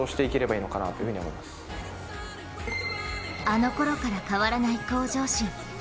あのころから変わらない向上心。